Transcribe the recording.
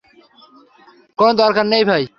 কোনো দরকার নেই, ভাই।